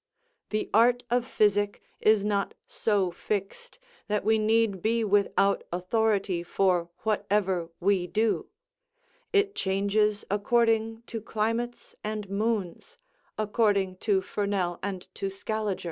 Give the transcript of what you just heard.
The art of physic is not so fixed, that we need be without authority for whatever we do; it changes according to climates and moons, according to Fernel and to Scaliger.